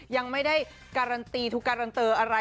ยังไม่ได้การันตีทุกการันเตอร์อะไร